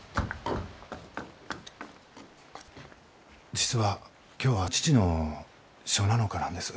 実は今日は父の初七日なんです。